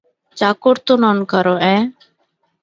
চাকর তো নন কারো, অ্যাঁ?